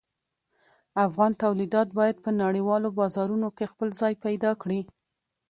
افغان تولیدات باید په نړیوالو بازارونو کې خپل ځای پیدا کړي.